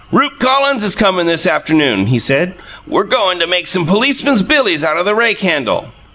Rupe Collins is comin' this afternoon, he said. We're goin' to make some policemen's billies out of the rake handle."